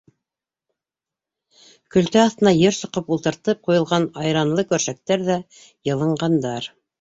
Көлтә аҫтына ер соҡоп ултыртып ҡуйылған айранлы көршәктәр ҙә йылынғандар.